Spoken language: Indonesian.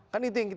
kan itu yang kita